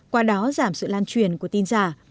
qua đó giảm sự lan truyền của tin giả